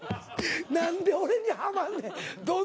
何で俺にハマんねん。